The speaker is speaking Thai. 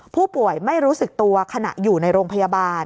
ผู้ป่วยไม่รู้สึกตัวขณะอยู่ในโรงพยาบาล